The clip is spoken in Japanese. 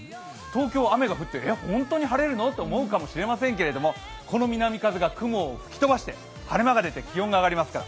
東京は雨が降って、本当に晴れるのと思うかもしれませんがこの南風が雲を吹き飛ばして晴れ間が出て気温が上がります。